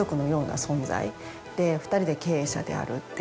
２人で経営者であるっていう。